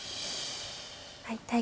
はい。